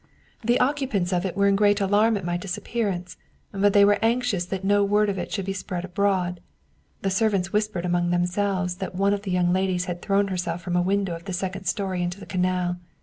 The occupants of it were in great alarm at my disappearance, but they were anxious that no word of it should be spread abroad. The servants whispered among themselves that one of the young ladies had thrown herself from a window of the second story into the canal.